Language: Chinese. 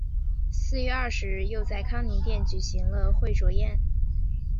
四月二十日又在康宁殿举行了会酌宴。